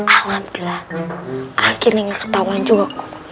aku nganggap gelang akhirnya ketawa juga